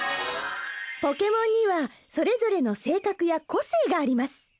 ポケモンにはそれぞれの性格や個性があります。